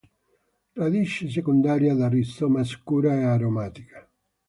Radice secondaria da rizoma, scura e aromatica.